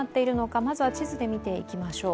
まずは地図で見ていきましょう。